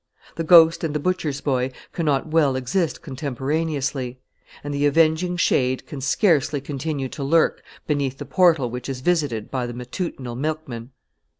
The ghost and the butcher's boy cannot well exist contemporaneously; and the avenging shade can scarcely continue to lurk beneath the portal which is visited by the matutinal milkman.